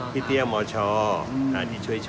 พี่เตี้ยหมอช่อท่านที่ช่วยนะฮะ